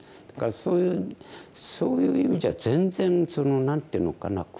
だからそういうそういう意味じゃ全然何ていうのかな。